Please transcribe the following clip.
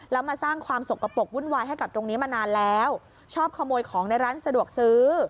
แล้วมาสร้างความสกปรกวุ่นวายให้กับตรงนี้มานานแล้วชอบขโมยของในร้านสะดวกซื้อ